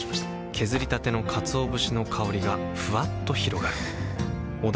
削りたてのかつお節の香りがふわっと広がるはぁ。